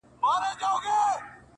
زما زړۀ کي فقط تۀ خلکو پیدا کړې ،